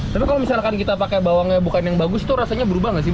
tapi kalau misalkan kita pakai bawangnya bukan yang bagus itu rasanya berubah gak sih